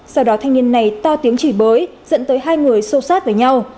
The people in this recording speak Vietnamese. sau đó thanh niên này to tiếng chỉ bới dẫn tới hai người sâu sát với nhau